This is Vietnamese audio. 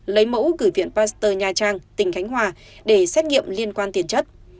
lấy mẫu gửi viện pasteur nha trang tỉnh khánh hòa để xét nghiệm liên quan tiền chất